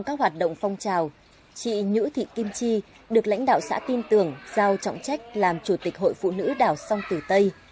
trong hoạt động phòng trào chị nhữ thị kim chi được lãnh đạo xã tin tường giao trọng trách làm chủ tịch hội phụ nữ đảo song tử tây